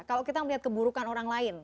kalau kita melihat keburukan orang lain